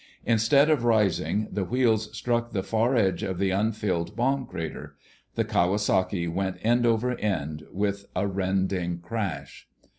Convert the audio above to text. Instead of rising, the wheels struck the far edge of the unfilled bomb crater. The Kawasaki went end over end, with a rending crash.